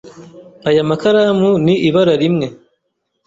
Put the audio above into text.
Aya makaramu ni ibara rimwe.